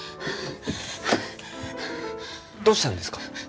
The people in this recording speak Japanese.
どうしたんですか？